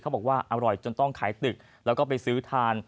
บอกว่าอร่อยจนต้องขายตึกแล้วก็ไปซื้อทาน